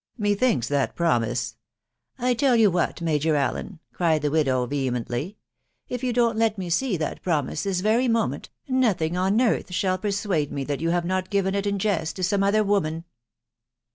..• Methinks that promise ...." I tell you what, Major Allen," cried the widow vehe mently, " if you don't let me see that promise this very moment, nothing on earth shall persuade me that you haw not given it in jest to some other woman.